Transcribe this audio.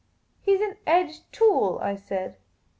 " He 's an edged tool," I said.